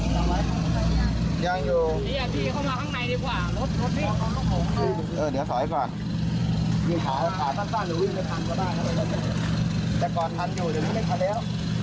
ขาตั้งสั้นหรือจะทันก็ได้นะครับแต่ก่อนทันอยู่เดี๋ยวรู้ไม่ค่ะแล้ว